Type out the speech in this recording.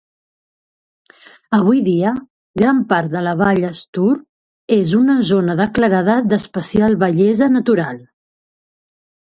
Avui dia, gran part de la vall Stour és una zona declarada d'especial bellesa natural.